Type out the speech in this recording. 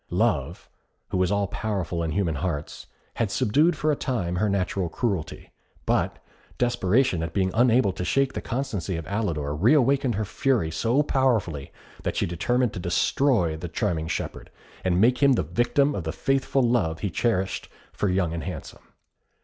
Love, who is all powerful in human hearts, had subdued for a time her natural cruelty; but desperation at being unable to shake the constancy of Alidor re awakened her fury so powerfully, that she determined to destroy the charming shepherd, and make him the victim of the faithful love he cherished for Young and Handsome.